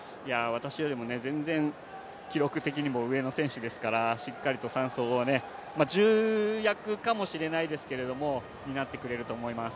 私よりも全然記録的には上の選手ですからしっかりと３走は重役かもしれないですけども担ってくれると思います。